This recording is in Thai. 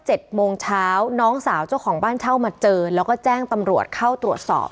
โมงเช้าน้องสาวเจ้าของบ้านเช่ามาเจอแล้วก็แจ้งตำรวจเข้าตรวจสอบ